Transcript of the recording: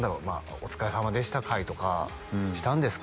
お疲れさまでした会とかしたんですか？